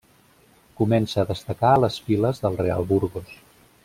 Comença a destacar a les files del Real Burgos.